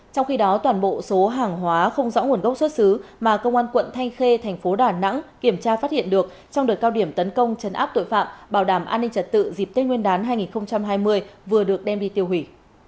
trong khi đó toàn bộ số hàng hóa không rõ nguồn gốc xuất xứ mà công an quận thanh khê thành phố đà nẵng kiểm tra phát hiện được trong đợt cao điểm tấn công chấn áp tội phạm bảo đảm an ninh trật tự dịp tết nguyên đán hai nghìn hai mươi vừa được đem đi tiêu hủy